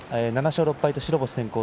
７勝６敗と白星先行。